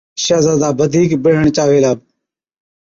شهزادا بڌِيڪ بِڙهڻ چاوي هِلا۔